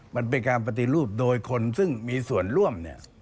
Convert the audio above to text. มันเป็นการปฏิรูปโดยคนซึ่งมีส่วนร่วมเนี่ย